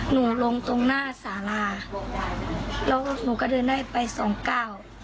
ลงตรงหน้าสาราแล้วหนูก็เดินได้ไปสองเก้า